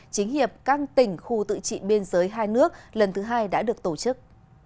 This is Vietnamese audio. chính hiệp các tỉnh khu tự trị biên giới hai nước lần thứ hai đã được tổ chức